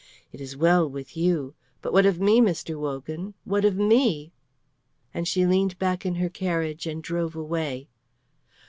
It is well with you, but what of me, Mr. Wogan? What of me?" and she leaned back in her carriage and drove away.